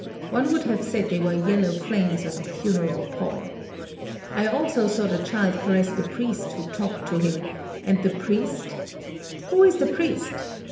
One would have said they were yellow flames on a funeral pall. I also saw the child caress the priest who talked to him, and the priest " "Who is the priest?"